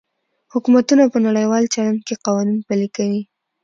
حکومتونه په نړیوال چلند کې قوانین پلي کوي